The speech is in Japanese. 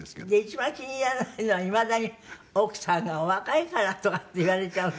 一番気に入らないのはいまだに「奥さんがお若いから」とかって言われちゃうんですって？